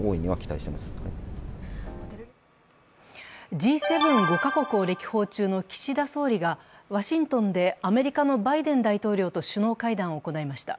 Ｇ７・５か国を歴訪中の岸田総理が、ワシントンでアメリカのバイデン大統領と首脳会談を行いました。